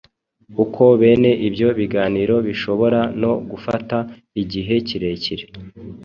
uko bene ibyo biganiro bishobora no gufata igihe kirekire